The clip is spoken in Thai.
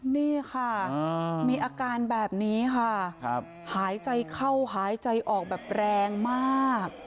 นี่ค่ะมีอาการแบบนี้ค่ะหายใจเข้าหายใจออกแบบแรงมาก